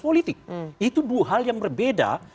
politik itu dua hal yang berbeda